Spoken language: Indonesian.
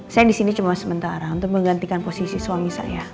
saya di sini cuma sementara untuk menggantikan posisi suami saya